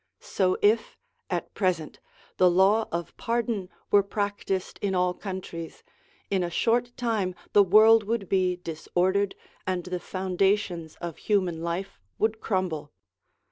So if, at present, the law of pardon were practised in all countries, in a short time the world would be disordered, and the foundations of human life would crumble.